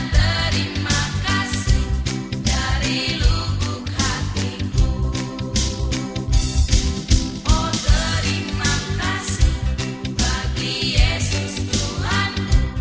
terima kasih bagi yesus tuhan